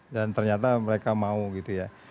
dan ternyata mereka mau gitu ya